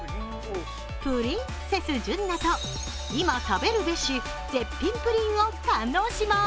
プリンセス・純菜と今食べるべし、絶品プリンを堪能します。